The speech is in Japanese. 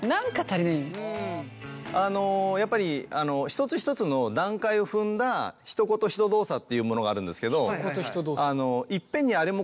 あのやっぱり一つ一つの段階を踏んだひと言ひと動作というものがあるんですけど。